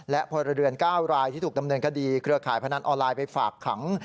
และพลเรือน๙รายที่ถูกดำเนินคดีเครือข่ายพนันออนไลน์ไปฝากขัง